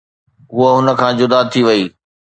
هوءَ هن کان جدا ٿي وئي.